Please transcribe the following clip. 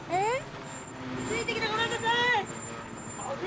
ついてきてごらんなさい！